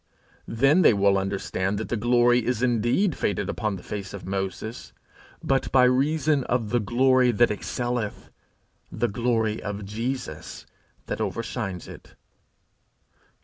Then will they understand that the glory is indeed faded upon the face of Moses, but by reason of the glory that excelleth, the glory of Jesus that overshines it.